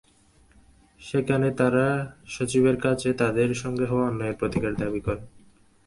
সেখানে তাঁরা সচিবের কাছে তাঁদের সঙ্গে হওয়া অন্যায়ের প্রতিকার দাবি করেন।